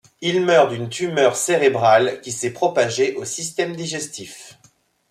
Il meurt d'une tumeur cérébrale qui s'est propagée au système digestif.